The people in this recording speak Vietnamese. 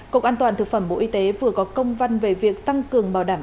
cục an toàn thực phẩm bộ y tế vừa có công văn về việc tăng cường bảo đảm